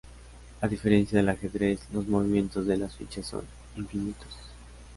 A diferencia del ajedrez, los movimientos de las fichas son infinitos.